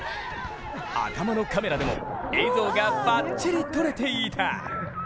頭のカメラでも、映像がばっちり撮れていた。